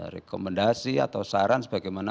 rekomendasi atau saran sebagaimana